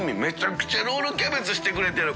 瓩舛磴舛ロールキャベツしてくれてる。